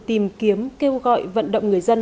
tìm kiếm kêu gọi vận động người dân